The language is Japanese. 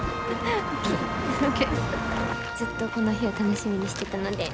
ずっとこの日を楽しみにしてたので。